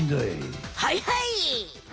はいはい！